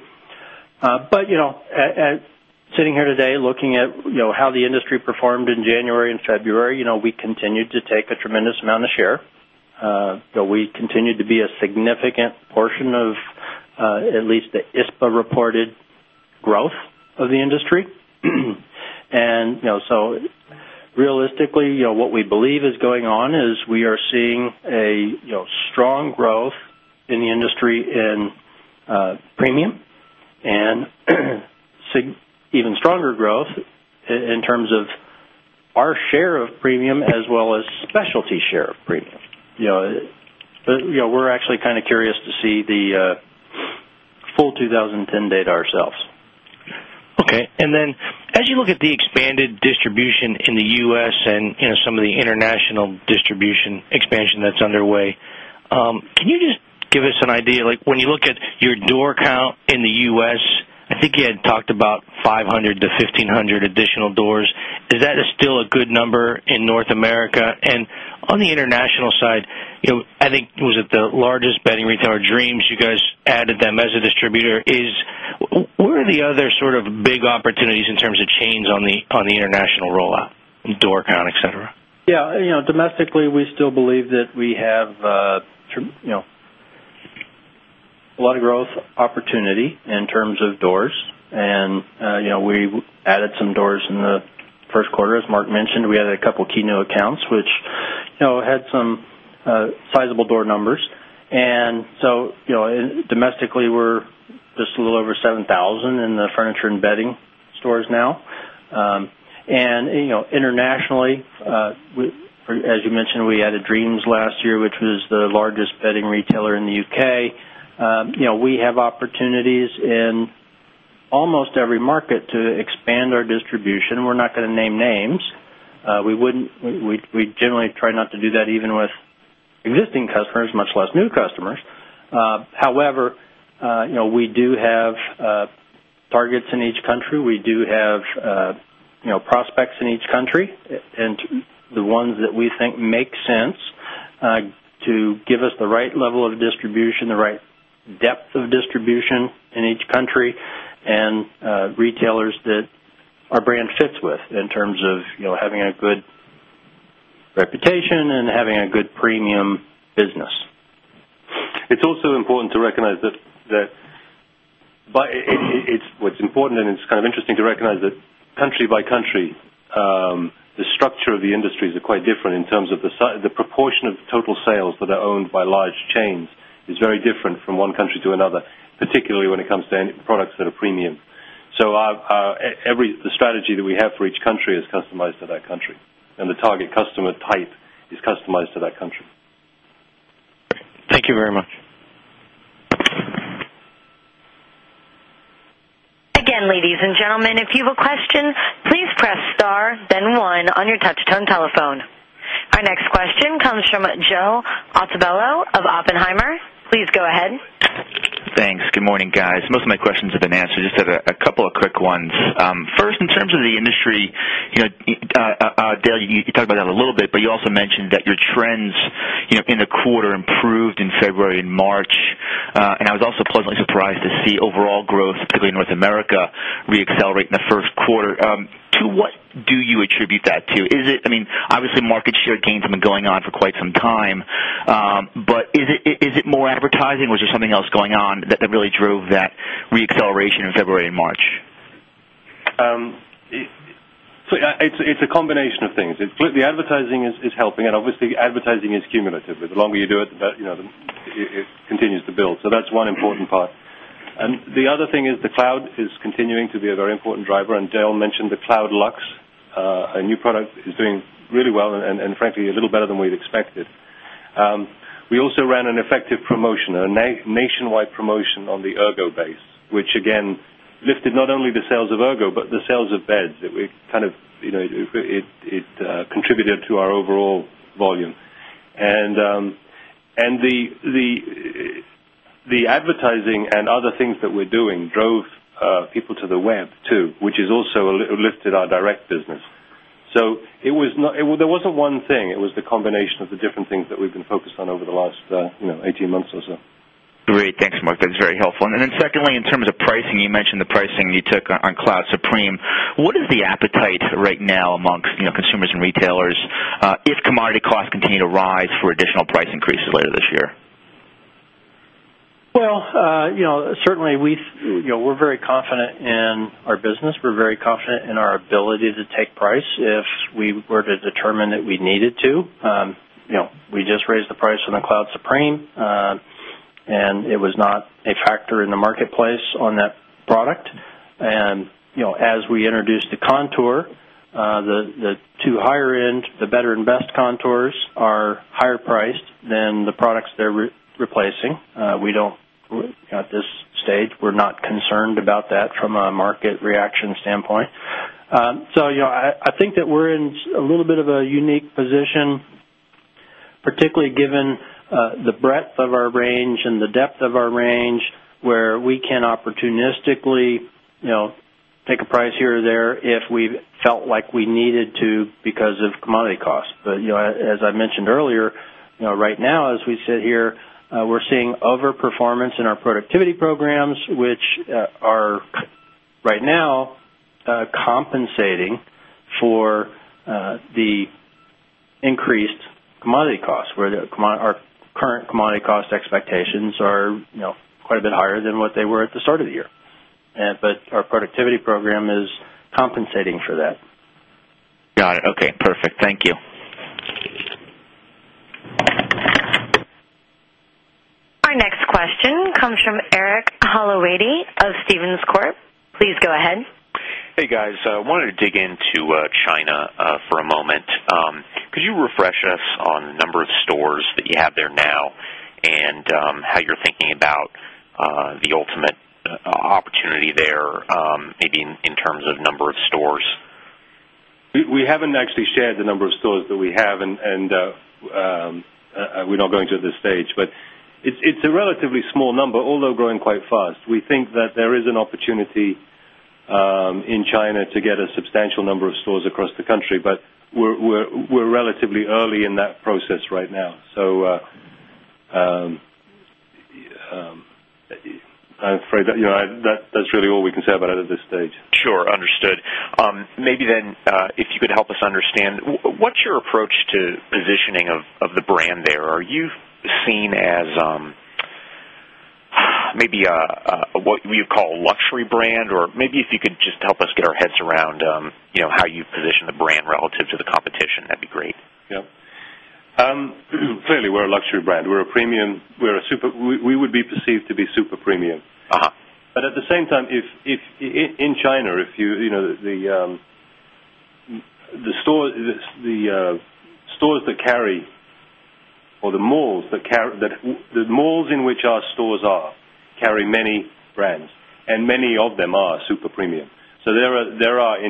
Sitting here today, looking at how the industry performed in January and February, we continued to take a tremendous amount of share. We continued to be a significant portion of at least the ISPA-reported growth of the industry. Realistically, what we believe is going on is we are seeing a strong growth in the industry in premium and even stronger growth in terms of our share of premium as well as specialty share of premium. We're actually kind of curious to see the full 2010 data ourselves. Okay. As you look at the expanded distribution in the U.S. and some of the international distribution expansion that's underway, can you just give us an idea? When you look at your door count in the U.S., I think you had talked about 500-1,500 additional doors. Is that still a good number in North America? On the international side, I think it was the largest bedding retailer, Dreams, you guys added them as a distributor. What are the other sort of big opportunities in terms of chains on the international rollout, door count, etc.? Yeah. You know, domestically, we still believe that we have a lot of growth opportunity in terms of doors. We added some doors in the first quarter, as Mark mentioned. We added a couple of key new accounts, which had some sizable door numbers. Domestically, we're just a little over 7,000 in the furniture and bedding stores now. Internationally, as you mentioned, we added Dreams last year, which was the largest bedding retailer in the UK. We have opportunities in almost every market to expand our distribution. We're not going to name names. We generally try not to do that even with existing customers, much less new customers. However, we do have targets in each country. We do have prospects in each country and the ones that we think make sense to give us the right level of distribution, the right depth of distribution in each country, and retailers that our brand fits with in terms of having a good reputation and having a good premium business. It's also important to recognize that what's important, and it's kind of interesting to recognize that country by country, the structure of the industries is quite different in terms of the proportion of total sales that are owned by large chains is very different from one country to another, particularly when it comes to products that are premium. The strategy that we have for each country is customized to that country, and the target customer type is customized to that country. Thank you very much. Again, ladies and gentlemen, if you have a question, please press star, then one on your touch-tone telephone. Our next question comes from Joe Altobello of Oppenheimer. Please go ahead. Thanks. Good morning, guys. Most of my questions have been answered. Just had a couple of quick ones. First, in terms of the industry, Dale, you talked about that a little bit, but you also mentioned that your trends in the quarter improved in February and March. I was also pleasantly surprised to see overall growth, particularly in North America, reaccelerate in the first quarter. What do you attribute that to? I mean, obviously, market share gains have been going on for quite some time. Is it more advertising, or is there something else going on that really drove that reacceleration in February and March? It's a combination of things. The advertising is helping, and obviously, advertising is cumulative. The longer you do it, the better it continues to build. That's one important part. The other thing is the TEMPUR Cloud is continuing to be a very important driver. Dale mentioned the TEMPUR Cloud Luxe, a new product that is doing really well and, frankly, a little better than we'd expected. We also ran an effective promotion, a nationwide promotion on the TEMPUR-Ergo base, which again lifted not only the sales of TEMPUR-Ergo but the sales of beds. It contributed to our overall volume. The advertising and other things that we're doing drove people to the web, too, which has also lifted our direct business. There wasn't one thing; it was the combination of the different things that we've been focused on over the last 18 months or so. Great. Thanks, Mark. That's very helpful. Secondly, in terms of pricing, you mentioned the pricing you took on Cloud Supreme. What is the appetite right now amongst consumers and retailers if commodity costs continue to rise for additional price increases later this year? Certainly, we're very confident in our business. We're very confident in our ability to take price if we were to determine that we needed to. We just raised the price on the Cloud Supreme, and it was not a factor in the marketplace on that product. As we introduced the TEMPUR Contour, the two higher-end, the better and best TEMPUR Contours are higher priced than the products they're replacing. At this stage, we're not concerned about that from a market reaction standpoint. I think that we're in a little bit of a unique position, particularly given the breadth of our range and the depth of our range, where we can opportunistically take a price here or there if we felt like we needed to because of commodity costs. As I mentioned earlier, right now, as we sit here, we're seeing overperformance in our productivity programs, which are right now compensating for the increased commodity costs, where our current commodity cost expectations are quite a bit higher than what they were at the start of the year. Our productivity program is compensating for that. Got it. Okay. Perfect. Thank you. Our next question comes from Eric Holloway of Stevens Corp. Please go ahead. Hey, guys. I wanted to dig into China for a moment. Could you refresh us on the number of stores that you have there now, and how you're thinking about the ultimate opportunity there, maybe in terms of number of stores? We haven't actually shared the number of stores that we have, and we're not going to at this stage. It's a relatively small number, although growing quite fast. We think that there is an opportunity in China to get a substantial number of stores across the country, but we're relatively early in that process right now. I'm afraid that's really all we can say about it at this stage. Sure. Understood. Maybe then, if you could help us understand, what's your approach to positioning of the brand there? Are you seen as maybe what you call a luxury brand? If you could just help us get our heads around how you position the brand relative to the competition, that'd be great. Yeah. Clearly, we're a luxury brand. We're a premium. We would be perceived to be super premium. At the same time, in China, the malls in which our stores are carry many brands, and many of them are super premium. In China, there are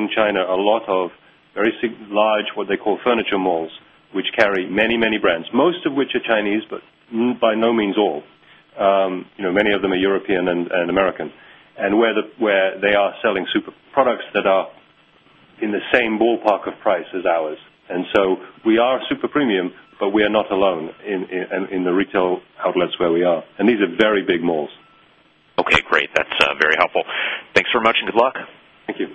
a lot of very large, what they call furniture malls, which carry many, many brands, most of which are Chinese, but by no means all. Many of them are European and American, and they are selling super products that are in the same ballpark of price as ours. We are super premium, but we are not alone in the retail outlets where we are. These are very big malls. Okay. Great. That's very helpful. Thanks very much and good luck. Thank you.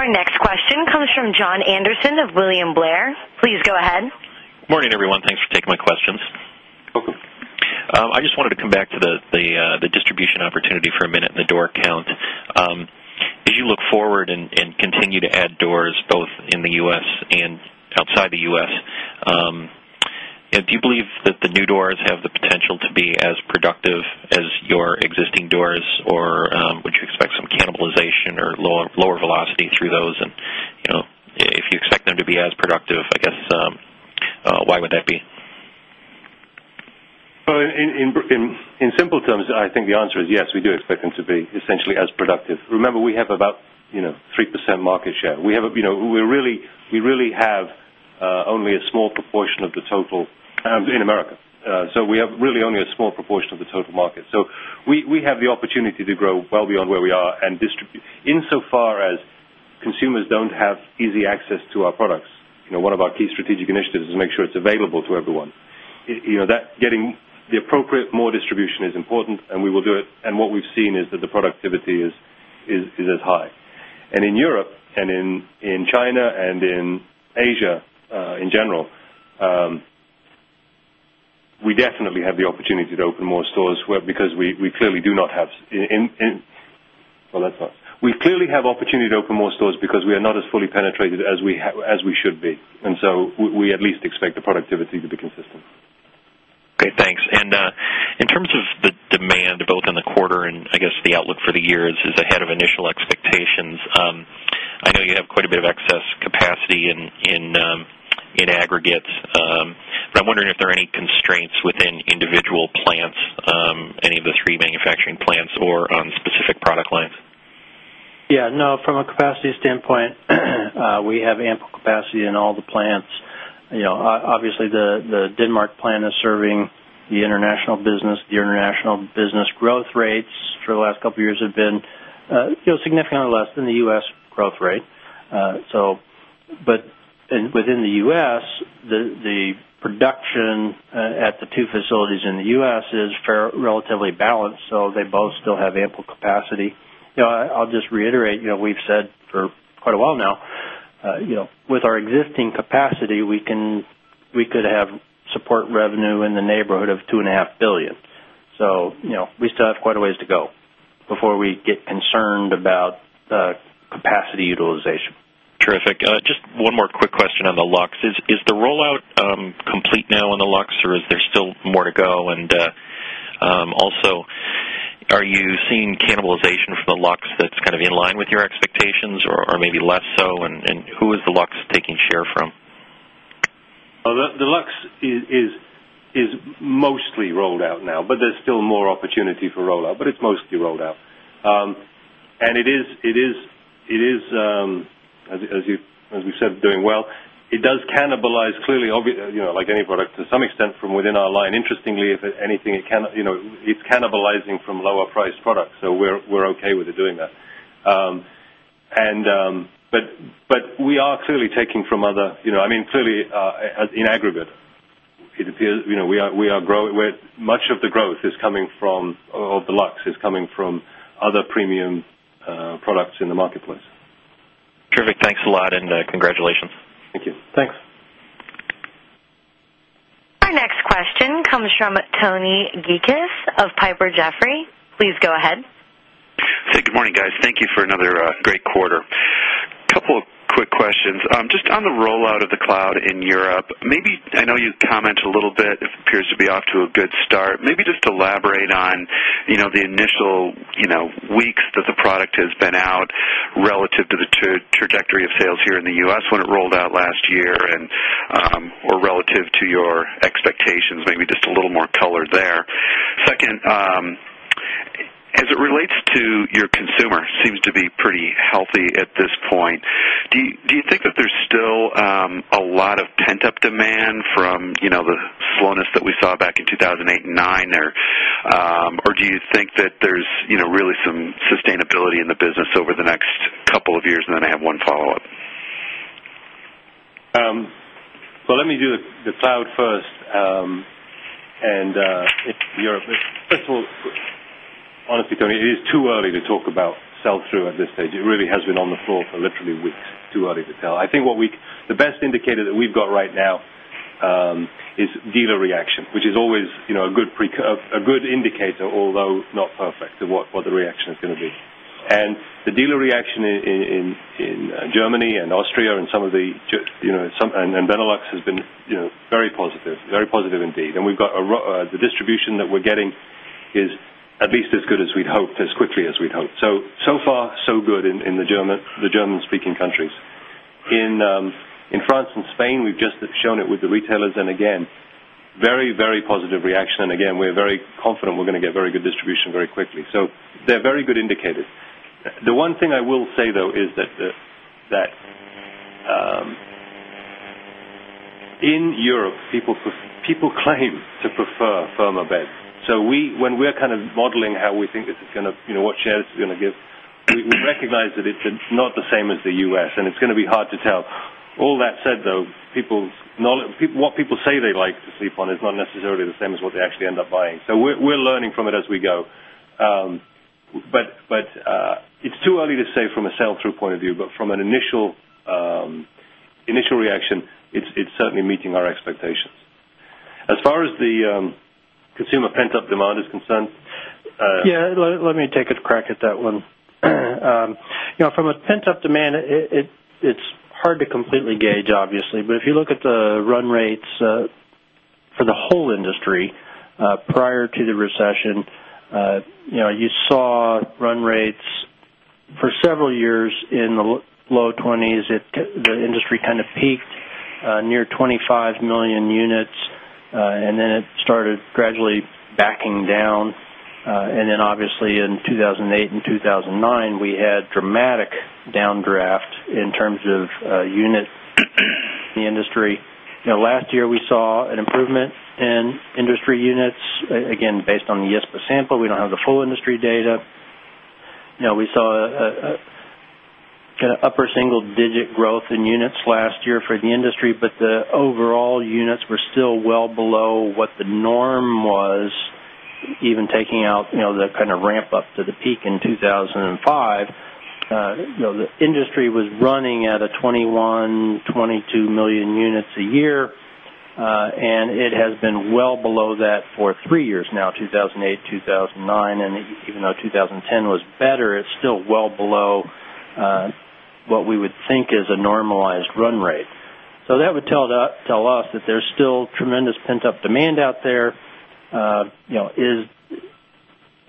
Our next question comes from Jon Anderson of William Blair. Please go ahead. Morning, everyone. Thanks for taking my questions. Welcome. I just wanted to come back to the distribution opportunity for a minute and the door count. As you look forward and continue to add doors, both in the U.S. and outside the U.S., do you believe that the new doors have the potential to be as productive as your existing doors, or would you expect some cannibalization or lower velocity through those? If you expect them to be as productive, I guess, why would that be? In simple terms, I think the answer is yes, we do expect them to be essentially as productive. Remember, we have about 3% market share. We really have only a small proportion of the total in the U.S. We have really only a small proportion of the total market, so we have the opportunity to grow well beyond where we are. Insofar as consumers don't have easy access to our products, one of our key strategic initiatives is to make sure it's available to everyone. You know, getting the appropriate more distribution is important, and we will do it. What we've seen is that the productivity is as high. In Europe and in China and in Asia in general, we definitely have the opportunity to open more stores because we clearly do not have, we clearly have opportunity to open more stores because we are not as fully penetrated as we should be. We at least expect the productivity to be consistent. Great. Thanks. In terms of the demand, both in the quarter and the outlook for the year, it is ahead of initial expectations. I know you have quite a bit of excess capacity in aggregates, but I'm wondering if there are any constraints within individual plants, any of the three manufacturing plants, or on specific product lines. Yeah. No. From a capacity standpoint, we have ample capacity in all the plants. Obviously, the Denmark plant is serving the international business. The international business growth rates for the last couple of years have been significantly less than the U.S. growth rate. Within the U.S., the production at the two facilities in the U.S. is relatively balanced. They both still have ample capacity. I'll just reiterate, we've said for quite a while now, with our existing capacity, we could have support revenue in the neighborhood of $2.5 billion. We still have quite a ways to go before we get concerned about capacity utilization. Terrific. Just one more quick question on the TEMPUR Cloud Luxe. Is the rollout complete now on the TEMPUR Cloud Luxe, or is there still more to go? Also, are you seeing cannibalization for the Luxe that's kind of in line with your expectations or maybe less so? Who is the TEMPUR Cloud Luxetaking share from? The TEMPUR Cloud Luxe is mostly rolled out now, but there's still more opportunity for rollout. It's mostly rolled out. It is, as we said, doing well. It does cannibalize, clearly, like any product, to some extent from within our line. Interestingly, if anything, it's cannibalizing from lower-priced products. We're okay with it doing that. We are clearly taking from other, in aggregate, it appears we are growing. Much of the growth is coming from, or the TEMPUR Cloud Luxe is coming from, other premium products in the marketplace. Terrific. Thanks a lot, and congratulations. Thank you. Thanks. Our next question comes from Tony Gikas of Piper Jaffray. Please go ahead. Good morning, guys. Thank you for another great quarter. A couple of quick questions. Just on the rollout of the Cloud in Europe, I know you commented a little bit. It appears to be off to a good start. Maybe just elaborate on the initial weeks that the product has been out relative to the trajectory of sales here in the U.S. when it rolled out last year and/or relative to your expectations, maybe just a little more color there. Second, as it relates to your consumer, it seems to be pretty healthy at this point. Do you think that there's still a lot of pent-up demand from the slowness that we saw back in 2008 and 2009? Do you think that there's really some sustainability in the business over the next couple of years? I have one follow-up. Let me do the TEMPUR Cloud first. First of all, honestly, Tony, it is too early to talk about sell-through at this stage. It really has been on the floor for literally weeks. Too early to tell. I think the best indicator that we've got right now is dealer reaction, which is always a good indicator, although not perfect, of what the reaction is going to be. The dealer reaction in Germany and Austria and some of the Benelux has been very positive, very positive indeed. We've got the distribution that we're getting at least as good as we'd hoped, as quickly as we'd hoped. So far, so good in the German-speaking countries. In France and Spain, we've just shown it with the retailers. Again, very, very positive reaction. We're very confident we're going to get very good distribution very quickly. They're very good indicators. The one thing I will say, though, is that in Europe, people claim to prefer firmer bed. When we're kind of modeling how we think this is going to, you know, what share this is going to give, we recognize that it's not the same as the U.S., and it's going to be hard to tell. All that said, though, what people say they like to sleep on is not necessarily the same as what they actually end up buying. We're learning from it as we go. It's too early to say from a sell-through point of view, but from an initial reaction, it's certainly meeting our expectations. As far as the consumer pent-up demand is concerned. Yeah. Let me take a crack at that one. From a pent-up demand, it's hard to completely gauge, obviously. If you look at the run rates for the whole industry prior to the recession, you saw run rates for several years in the low 20s. The industry kind of peaked near 25 million units, and then it started gradually backing down. In 2008 and 2009, we had dramatic downdraft in terms of unit in the industry. Last year, we saw an improvement in industry units, again, based on the ISPA sample. We don't have the full industry data. We saw kind of upper single-digit growth in units last year for the industry, but the overall units were still well below what the norm was, even taking out the kind of ramp-up to the peak in 2005. The industry was running at a 21, 22 million units a year, and it has been well below that for three years now, 2008, 2009. Even though 2010 was better, it's still well below what we would think is a normalized run rate. That would tell us that there's still tremendous pent-up demand out there. Is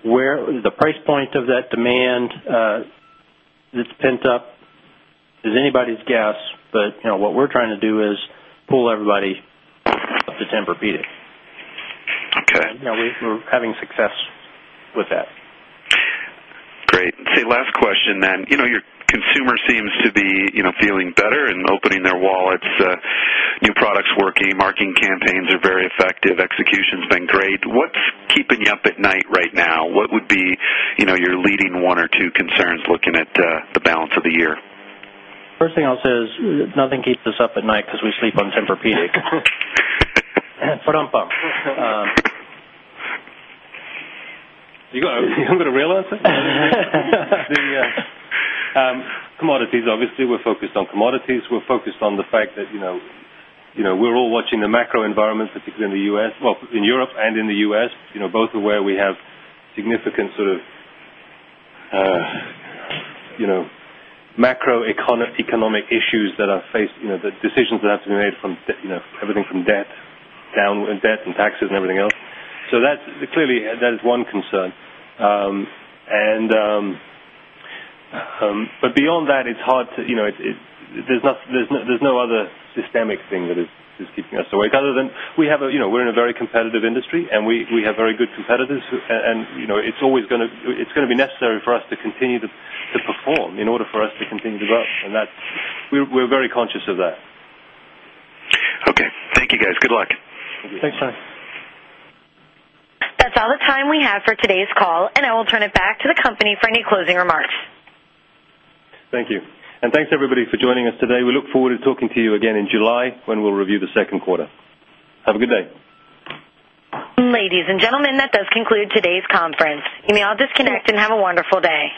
the price point of that demand that's pent up? It's anybody's guess. What we're trying to do is pull everybody up to Tempur-Pedic. We're having success with that. Great. Let's see. Last question then. You know your consumer seems to be feeling better and opening their wallets. New products working. Marketing campaigns are very effective. Execution's been great. What's keeping you up at night right now? What would be your leading one or two concerns looking at the balance of the year? First thing I'll say is nothing keeps us up at night because we sleep on Tempur-Pedic. You're going to realize it. Commodities, obviously. We're focused on commodities. We're focused on the fact that we're all watching the macro environment, particularly in the U.S., in Europe and in the U.S., both where we have significant sort of macroeconomic issues that are faced, the decisions that have to be made from everything from debt and taxes and everything else. Clearly, that is one concern. Beyond that, it's hard to, you know, there's no other systemic thing that is keeping us awake other than we have a, you know, we're in a very competitive industry, and we have very good competitors. You know, it's always going to be necessary for us to continue to perform in order for us to continue to grow. We're very conscious of that. Okay. Thank you, guys. Good luck. Thanks, John. That's all the time we have for today's call, and I will turn it back to the company for any closing remarks. Thank you. Thanks, everybody, for joining us today. We look forward to talking to you again in July when we'll review the second quarter. Have a good day. Ladies and gentlemen, that does conclude today's conference. You may all disconnect and have a wonderful day.